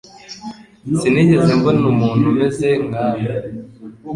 Sinigeze mbona umuntu umeze nkawe.